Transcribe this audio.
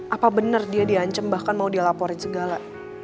apa bener dia diancam bahkan mau dia laporin segala